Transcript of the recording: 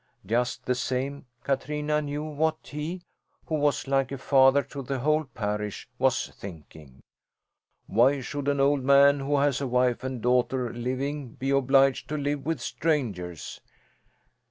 Just the same Katrina knew what he, who was like a father to the whole parish, was thinking. "Why should an old man who has a wife and daughter living be obliged to live with strangers?